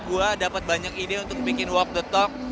gue dapat banyak ide untuk bikin walk the talk